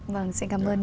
vâng xin cảm ơn nhị